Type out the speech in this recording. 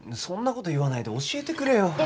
そんな事言わないで教えてくれよ。